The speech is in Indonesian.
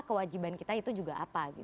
kewajiban kita itu juga apa